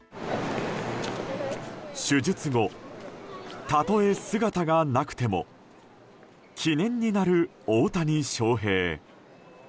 手術後、たとえ姿がなくても記念になる大谷翔平。